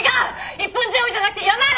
一本背負いじゃなくて山嵐！